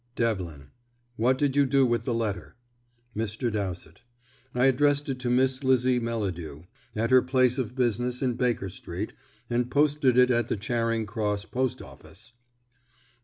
Devlin: "What did you do with the letter?" Mr. Dowsett: "I addressed it to Miss Lizzie Melladew, at her place of business in Baker Street, and posted it at the Charing Cross Post office."